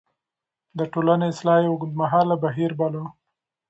د ټولنې اصلاح يې اوږدمهاله بهير باله.